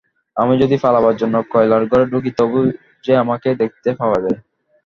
আমি যদি পালাবার জন্যে কয়লার ঘরে ঢুকি তবুও যে আমাকে দেখতে পাওয়া যায়।